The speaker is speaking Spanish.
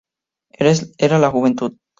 Era la juventud".